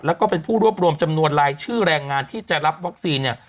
แล้วก็เป็นผู้รวบรวมจำนวนรายชื่อแรงงานที่จะรับวัคซีนเนี่ย